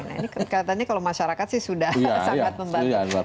nah ini katanya kalau masyarakat sih sudah sangat membantu